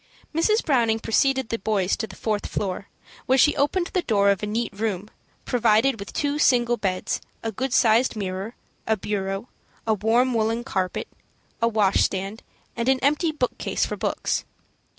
Mrs. Browning preceded the boys to the fourth floor, where she opened the door of a neat room, provided with two single beds, a good sized mirror, a bureau, a warm woollen carpet, a washstand, and an empty bookcase for books.